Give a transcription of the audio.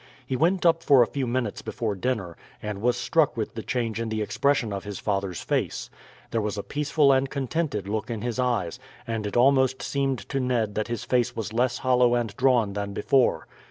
He went up for a few minutes before dinner, and was struck with the change in the expression of his father's face. There was a peaceful and contented look in his eyes, and it almost seemed to Ned that his face was less hollow and drawn than before.